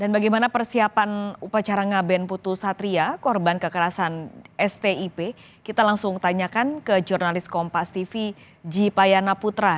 pembelian pengamenan iputu satria anantarustika